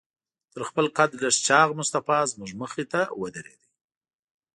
تر خپل قد لږ چاغ مصطفی زموږ مخې ته ودرېد.